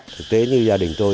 thực tế như gia đình tôi